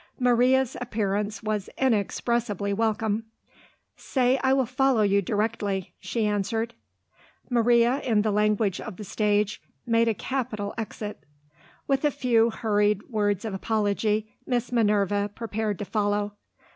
Maria's appearance was inexpressibly welcome. "Say I will follow you directly," she answered. Maria, in the language of the stage, made a capital exit. With a few hurried words of apology, Miss Minerva prepared to follow.